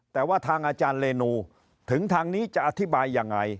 แต่ว่าทางอาจารย์เรนูถึงทางนี้จะอธิบายยังไง